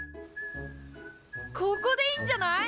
ここでいいんじゃない？